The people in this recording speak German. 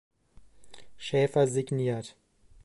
Schäffer“ signiert.